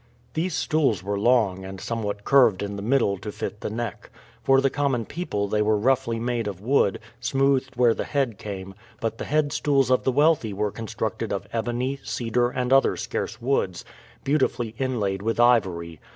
These stools were long, and somewhat curved in the middle to fit the neck. For the common people they were roughly made of wood, smoothed where the head came; but the head stools of the wealthy were constructed of ebony, cedar, and other scarce woods, beautifully inlaid with ivory.